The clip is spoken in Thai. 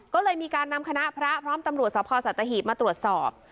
ก็เลยมีการนำคณะพระพร้อมตำรวจสภสัตหีบมาตรวจสอบ